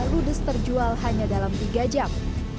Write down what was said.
ludes terjual hanya dalam tiga jam